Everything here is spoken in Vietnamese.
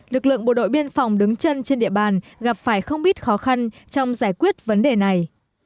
lực lượng bộ đội biên phòng đứng chân trên địa bàn gặp phải không biết khó khăn trong giải quyết vấn đề này